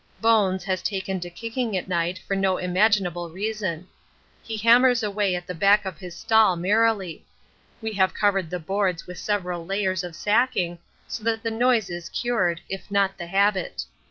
'Bones' has taken to kicking at night for no imaginable reason. He hammers away at the back of his stall merrily; we have covered the boards with several layers of sacking, so that the noise is cured, if not the habit.